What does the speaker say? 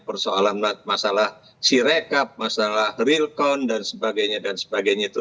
persoalan persoalan masalah sirekap masalah realcon dan sebagainya dan sebagainya itu